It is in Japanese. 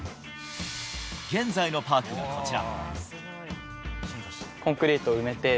現在のパークがこちら。